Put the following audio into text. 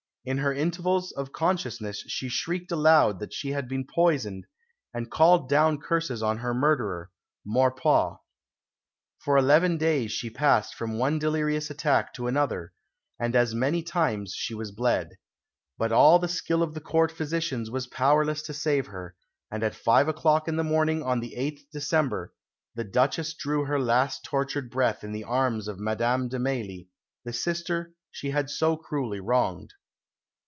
In her intervals of consciousness she shrieked aloud that she had been poisoned, and called down curses on her murderer Maurepas. For eleven days she passed from one delirious attack to another, and as many times she was bled. But all the skill of the Court physicians was powerless to save her, and at five o'clock in the morning of the 8th December the Duchesse drew her last tortured breath in the arms of Madame de Mailly, the sister she had so cruelly wronged.